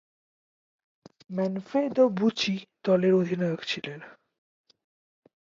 Manfredo Bucci দলের অধিনায়ক ছিলেন।